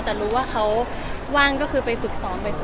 แต่รู้ว่าเขาว่างก็คือไปฝึกซ้อมไปก่อน